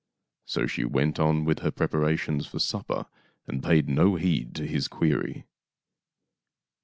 So she went on with her preparations for supper and paid no heed to his query.